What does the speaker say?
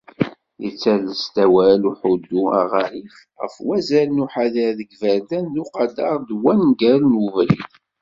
Yettales-d awal Uḥuddu Aɣarim ɣef wazal n uḥader deg yiberdan d uqader n wangal n ubrid.